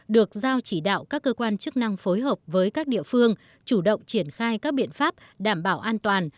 được giao chỉ đạo các cơ quan chức năng phối hợp với các địa phương chủ động triển khai các biện pháp đảm bảo an toàn